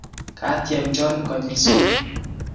Katyem cho kinyel somok